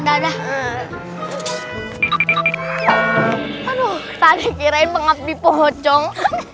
aduh tadi kirain pengabdi pohon cong